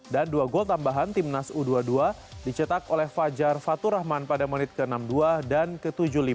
dan dua gol tambahan tim nas u dua puluh dua dicetak oleh fajar fatur rahman pada menit ke enam puluh dua dan ke tujuh puluh lima